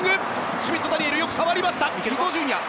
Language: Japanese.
シュミット・ダニエルよく触りました。